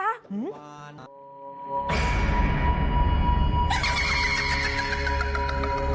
หื้อ